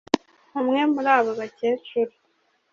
umwe muri abo bakecuru